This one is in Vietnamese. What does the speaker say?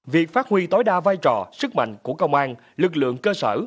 việc phát huy tối đa vai trò sức mạnh của công an lực lượng cơ sở